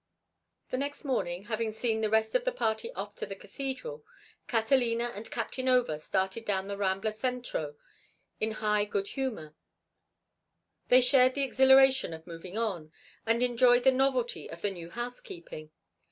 The next morning, having seen the rest of the party off to the cathedral, Catalina and Captain Over started down the Rambla Centro in high good humor; they shared the exhilaration of moving on, and enjoyed the novelty of the new housekeeping.